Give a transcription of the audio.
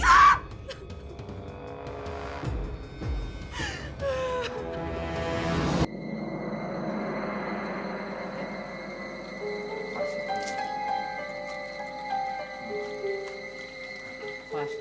tidak bisa dikebuk